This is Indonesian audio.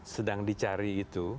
sedang dicari itu